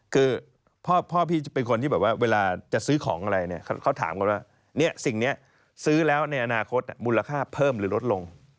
คือพ่อพี่เป็นคนที่แบบว่าเวลาจะซื้อของอะไรเนี่ยเขาถามกันว่าสิ่งนี้ซื้อแล้วในอนาคตมูลค่าเพิ่มหรือลดลง